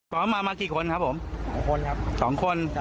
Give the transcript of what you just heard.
ต่อมาวาดไปไกลไหนครับ๒คนครับสองคน